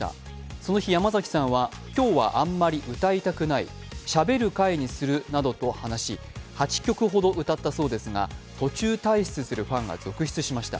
その日、山崎さんは、今日はあんまり歌いたくない、しゃべる回にするなどと話し８曲ほど歌ったそうですが、途中退出するファンが続出しました。